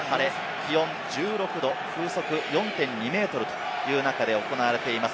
天候は晴れ、気温１６度、風速４．２メートルという中で行われています。